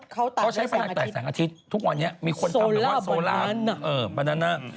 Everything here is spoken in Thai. เขาใช้พลังแตกแสงอาทิตย์ทุกวันนี้มีคนทำแบบว่าโซล่าบานาน่า